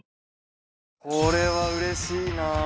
これはうれしいなあ。